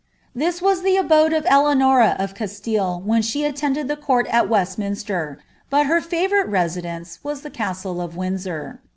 Thii wm Uo abode of Eleanoia of Casiillu when she attended the court at WasDU* *>er, but her lavourite reeideuce was the casllo of Windsor.